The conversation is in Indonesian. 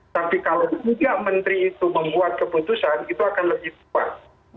tapi kalau tiga menteri itu membuat keputusan itu akan lebih kuat